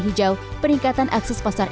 hijau peningkatan akses pasar